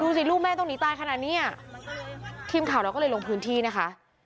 สิลูกแม่ต้องหนีตายขนาดเนี้ยทีมข่าวเราก็เลยลงพื้นที่นะคะ